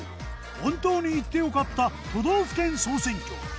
本当に行って良かった都道府県総選挙。